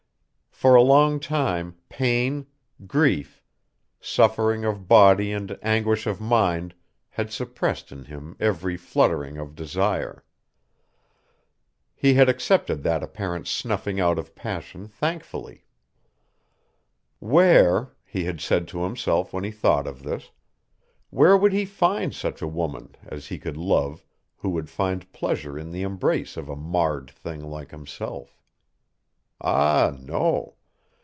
For a long time pain, grief, suffering of body and anguish of mind had suppressed in him every fluttering of desire. He had accepted that apparent snuffing out of passion thankfully. Where, he had said to himself when he thought of this, where would he find such a woman as he could love who would find pleasure in the embrace of a marred thing like himself? Ah, no.